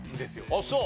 あっそう。